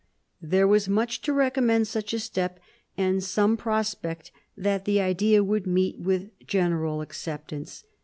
There was « much to recommend such a step, and some prospect that the idea would meet with general acceptance.